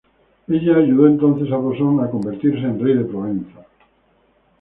Ella ayudó entonces a Bosón a convertirse en rey de Provenza.